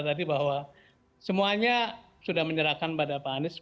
tadi bahwa semuanya sudah menyerahkan pada pak anies